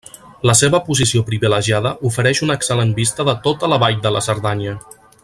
La seva posició privilegiada ofereix una excel·lent vista de tota la vall de la Cerdanya.